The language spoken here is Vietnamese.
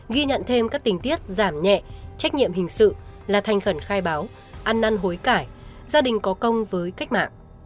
ghi nhận thêm các tình tiết giảm nhẹ trách nhiệm hình sự là thành khẩn khai báo ăn năn hối cải gia đình có công với cách mạng